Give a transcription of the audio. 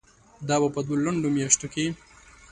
دا به په دوو لنډو میاشتو کې